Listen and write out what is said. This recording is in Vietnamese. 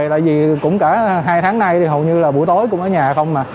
tại vì cũng cả hai tháng nay thì hầu như là buổi tối cũng ở nhà không